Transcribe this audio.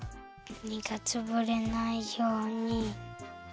みがつぶれないように。